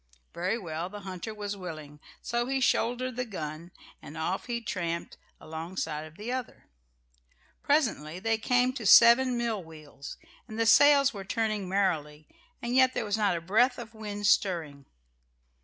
Very well; the hunter was willing. So he shouldered the gun and off he tramped alongside of the other. Presently they came to seven mill wheels, and the sails were turning merrily, and yet there was not a breath of wind stirring.